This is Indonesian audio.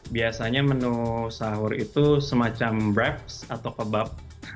biasanya menu sahur itu semacam brex atau kebab